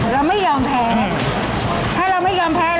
ถ้าเราไม่ยอมแพ้อะไร